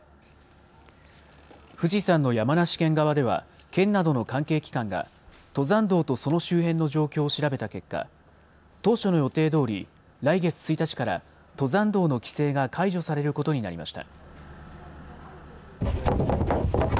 富士山の山梨県側では、県などの関係機関が、登山道とその周辺の状況を調べた結果、当初の予定どおり、来月１日から登山道の規制が解除されることになりました。